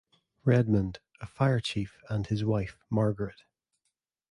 Redmond, a fire chief, and his wife, Margaret.